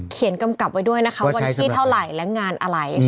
กำกับไว้ด้วยนะคะวันที่เท่าไหร่และงานอะไร